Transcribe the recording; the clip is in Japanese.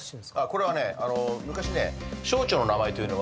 これはね昔ね省庁の名前というのは。